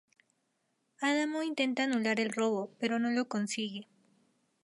Adamo intenta anular el robo, pero no lo consigue.